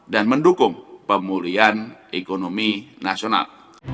dan mendukung pemulihan ekonomi nasional